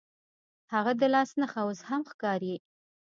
هغه د لاس نښه اوس هم ښکاري.